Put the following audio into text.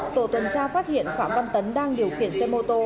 tổ tuần tra phát hiện phạm văn tấn đang điều khiển xe mô tô